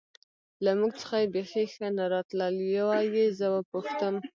له موږ څخه یې بېخي ښه نه راتلل، یوه یې زه و پوښتم.